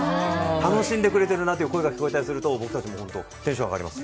楽しんでくれてるなという声が聞こえると僕たちもテンションが上がります。